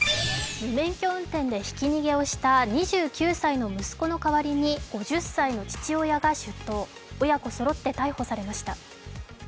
無免許運転でひき逃げをした２９歳の息子の代わりに５０歳の父親が出頭、親子そろって逮捕されました。